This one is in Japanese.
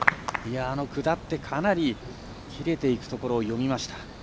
下って、かなり切れていくところを読みました。